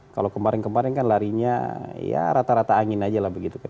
kalau kemarin kemarin kan larinya ya rata rata angin aja lah begitu kan